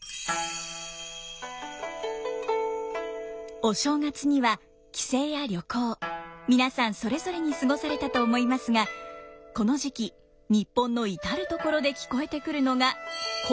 お正月には帰省や旅行皆さんそれぞれに過ごされたと思いますがこの時期日本の至る所で聞こえてくるのが箏の音色。